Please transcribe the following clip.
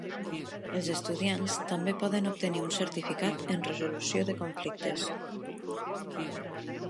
Els estudiants també poden obtenir un certificat en resolució de conflictes.